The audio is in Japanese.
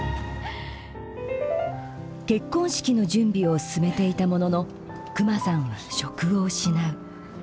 結婚式の準備を進めていたもののクマさんは職を失う。